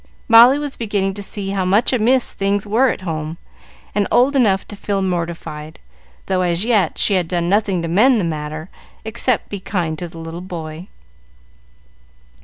Molly was beginning to see how much amiss things were at home, and old enough to feel mortified, though, as yet, she had done nothing to mend the matter except be kind to the little boy.